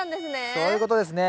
そういうことですね。